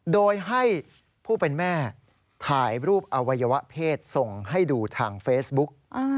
โดยให้ผู้เป็นแม่ถ่ายรูปอวัยวะเพศส่งให้ดูทางเฟซบุ๊ก